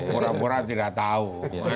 pura pura tidak tahu